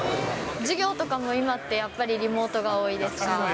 授業とかも、今ってやっぱりリモートが多いですか。